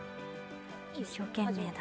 一生懸命だ。